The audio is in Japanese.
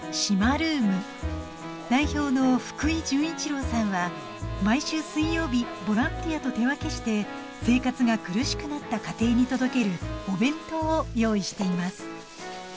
ルーム代表の福井潤一郎さんは毎週水曜日ボランティアと手分けして生活が苦しくなった家庭に届けるお弁当を用意しています